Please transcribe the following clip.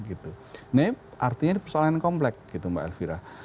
ini artinya di persoalan komplek gitu mbak elvira